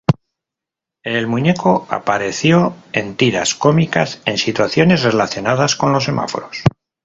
El muñeco apareció en tiras cómicas en situaciones relacionadas con los semáforos.